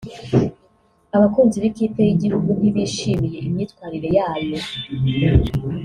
Abakunzi b’ikipe y’igihugu ntibishimiye imyitwarire yayo